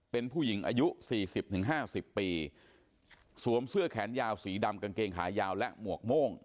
เป็นผู้หญิงอายุสี่สิบถึงห้าสิบปีสวมเสื้อแขนยาวสีดำกางเกงขายาวและหมวกโม่ง